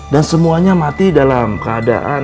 dan semuanya mati dalam keadaan